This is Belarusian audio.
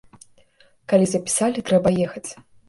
Калі запісалі, трэба ехаць.